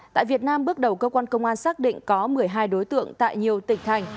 tại việt nam bước đầu cơ quan công an xác định có một mươi hai đối tượng tại nhiều tỉnh thành